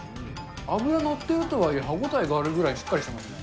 脂乗ってるとはいえ、歯応えがあるぐらいしっかりしてますね。